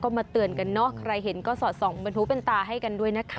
มาเตือนกันเนอะใครเห็นก็สอดส่องบรรทุกเป็นตาให้กันด้วยนะคะ